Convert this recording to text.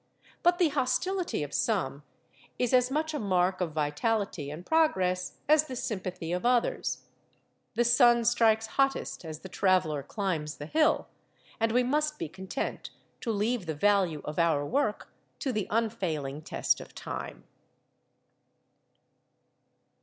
But the hostility of some is as much a mark of vitality and progress as the sympathy of others. The sun strikes hottest as the traveller climbs the hill; and we must be content to leave the value of our work to the unfailing test of time.